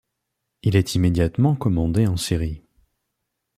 Il est immédiatement commandé en série.